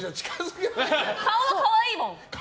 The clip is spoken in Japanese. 顔は可愛いもん！